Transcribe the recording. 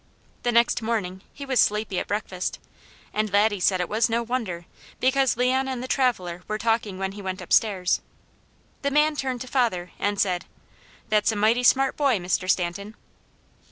The next morning he was sleepy at breakfast and Laddie said it was no wonder, because Leon and the traveller were talking when he went upstairs. The man turned to father and said: "That's a mighty smart boy, Mr. Stanton."